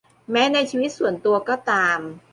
แม้ในชีวิตส่วนตัวก็ตาม